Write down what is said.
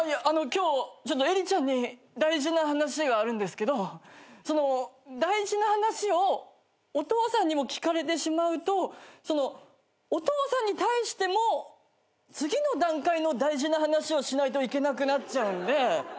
今日エリちゃんに大事な話があるんですけどその大事な話をお父さんにも聞かれてしまうとそのお父さんに対しても次の段階の大事な話をしないといけなくなっちゃうんで。